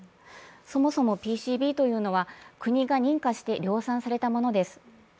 そもそもＰＣＢというのは国が認可して量産されたものです。